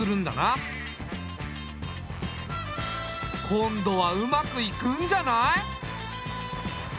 今度はうまくいくんじゃない？